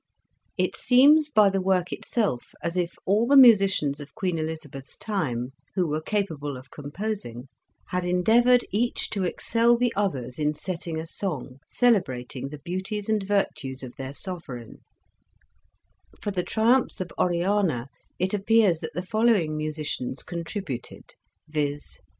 "It seems by the work itself as if all the musicians of Queen Elizabeth's time, who were capable of composing, had endeavoured each to excel the other in setting a song, celebrating the beauties and virtues of their sovereign ; for the "Triumphs of Oriana," it appears that the following musicians contributed, viz.